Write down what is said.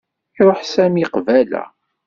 Iṛuḥ Sami qbala.